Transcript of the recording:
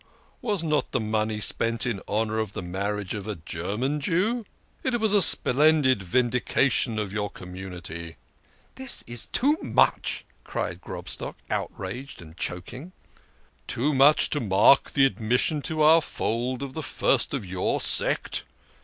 Was not the money spent in honour of the marriage of a German Jew ? It was a splendid vindication of your community." " This is too much !" cried Grobstock, outraged and choking. "Too much to mark the admission to our fold of the first of your sect